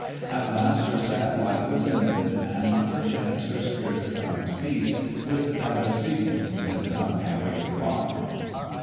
At last her sad life was ended, and perchance her spirit found peace with that of Siegmund in some happier clime.